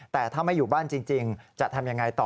แต่ถ้าไม่อยู่บ้านจริงจะทำยังไงต่อ